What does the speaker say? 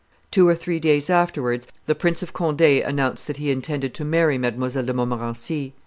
Two or three days afterwards the Prince of Conde, announced that he intended to marry Mdlle. de Montmorency.